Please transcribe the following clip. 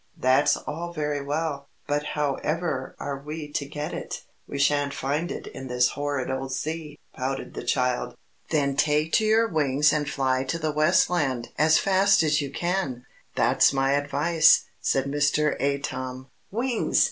"That's all very well, but however are we to get it? We shan't find it in this horrid old sea," pouted the child. "Then take to your wings and fly to the West Land as fast as you can that's my advice," said Mr. Atom. "Wings!"